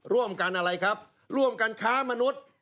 ร่วมกันอะไรครับร่วมกันค้ามนุษย์